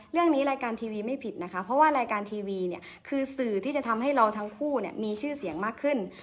รายการทีวีไม่ผิดนะคะเพราะว่ารายการทีวีเนี่ยคือสื่อที่จะทำให้เราทั้งคู่เนี่ยมีชื่อเสียงมากขึ้น